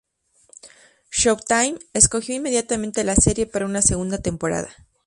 Showtime escogió inmediatamente la serie para una segunda temporada.